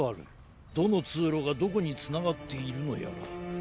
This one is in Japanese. どのつうろがどこにつながっているのやら。